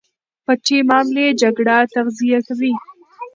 پټې معاملې جګړه تغذیه کوي.